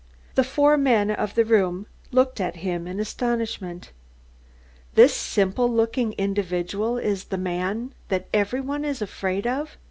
The four men in the room looked at him in astonishment. "This simple looking individual is the man that every one is afraid of?"